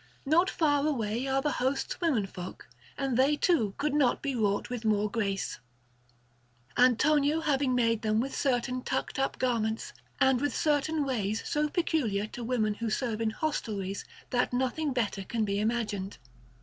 Not far away are the host's womenfolk, and they, too, could not be wrought with more grace, Antonio having made them with certain tucked up garments and with certain ways so peculiar to women who serve in hostelries, that nothing better can be imagined.